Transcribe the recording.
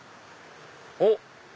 おっ！